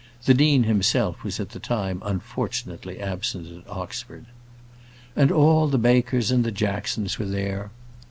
The dean himself was at the time unfortunately absent at Oxford. And all the Bakers and the Jacksons were there.